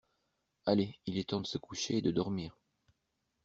Allez, il est temps de se coucher et de dormir.